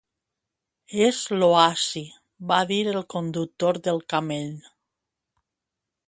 "És l'oasi", va dir el conductor del camell.